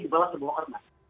di bawah sebuah ormas